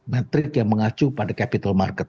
metrik yang mengacu pada capital market